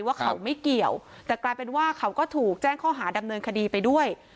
ว่าเขาไม่เกี่ยวแต่กลายเป็นว่าเขาก็ถูกแจ้งข้อหาดำเนินคดีไปด้วย